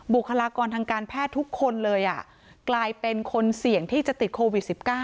บุคลากรทางการแพทย์ทุกคนเลยกลายเป็นคนเสี่ยงที่จะติดโควิด๑๙